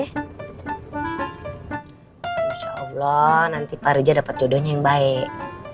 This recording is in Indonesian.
insya allah nanti pak rija dapat jodohnya yang baik